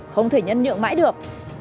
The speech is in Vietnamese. không thể nhân nhượng mãi được